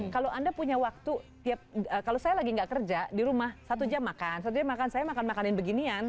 kalau anda punya waktu tiap kalau saya lagi nggak kerja di rumah satu jam makan satu dia makan saya makan makanin beginian